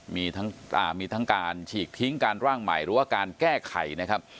มีทั้งมีทั้งการฉีกทิ้งการร่างใหม่หรือว่าการแก้ไขนะครับ